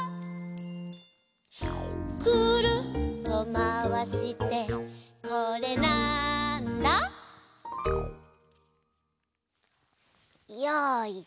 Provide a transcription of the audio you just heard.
「くるっとまわしてこれ、なんだ？」よいしょ。